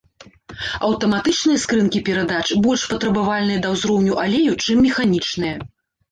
Аўтаматычныя скрынкі перадач больш патрабавальныя да ўзроўню алею, чым механічныя.